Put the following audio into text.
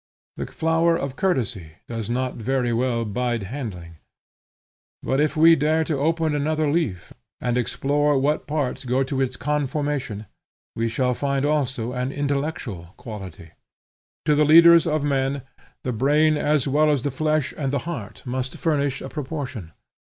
The flower of courtesy does not very well bide handling, but if we dare to open another leaf and explore what parts go to its conformation, we shall find also an intellectual quality. To the leaders of men, the brain as well as the flesh and the heart must furnish a proportion.